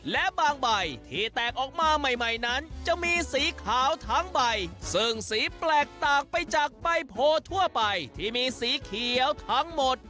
และบางใบที่แตกออกมาใหม่ใหม่นั้นจะมีสีขาวทั้งใบซึ่งสีแปลกต่างไปจากใบโพทั่วไปที่มีสีเขียวทั้งหมด